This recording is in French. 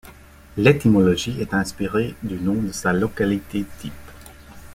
L'étymologie est inspirée du nom de sa localité-type.